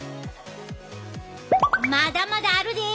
まだまだあるで！